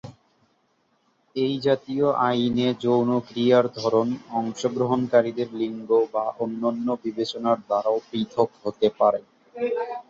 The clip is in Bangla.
এই জাতীয় আইনে যৌন ক্রিয়ার ধরন, অংশগ্রহণকারীদের লিঙ্গ বা অন্যান্য বিবেচনার দ্বারাও পৃথক হতে পারে।